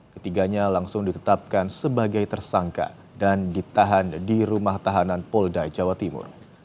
ketiganya langsung ditetapkan sebagai tersangka dan ditahan di rumah tahanan polda jawa timur